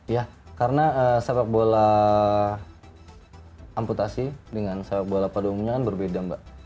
ya karena sepak bola amputasi dengan sepak bola pada umumnya kan berbeda mbak